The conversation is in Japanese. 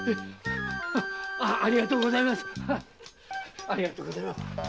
ありがとうございます。